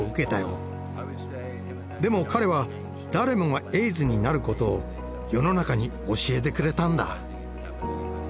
でも彼は誰もがエイズになることを世の中に教えてくれたんだ。